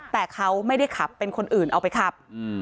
แต่เขาไม่ได้ขับเป็นคนอื่นเอาไปขับ